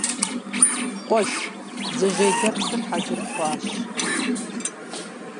– Къэуш, бдзэжьей лэпсыр хьэзыр хъуащ.